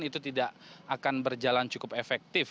itu tidak akan berjalan cukup efektif